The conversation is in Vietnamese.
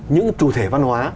những chủ thể văn hóa